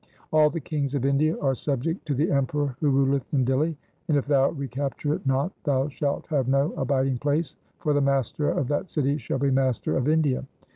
All the kings of India are subject to the emperor who ruleth in Dihli, and if thou recapture it not, thou shalt have no abiding place, for the master of that city shall be master of India.